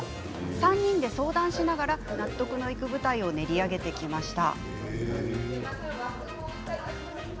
３人で相談しながら納得のいく舞台を練り上げてきました。